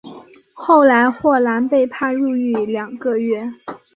后来霍兰被判入狱两个月。